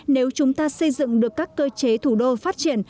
nếu chúng ta xây dựng được các cơ chế thủ đô phát triển